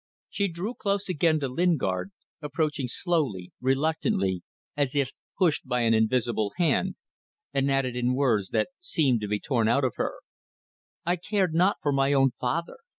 She drew close again to Lingard, approaching slowly, reluctantly, as if pushed by an invisible hand, and added in words that seemed to be torn out of her "I cared not for my own father.